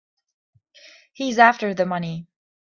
He's after the money.